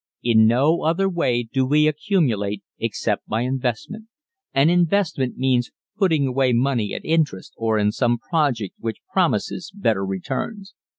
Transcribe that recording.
In no other way do we accumulate except by investment, and investment means putting away money at interest or in some project which promises better returns.